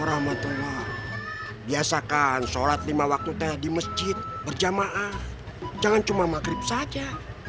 rahmatullah biasakan sholat lima waktu teh di masjid berjamaah jangan cuma maghrib saja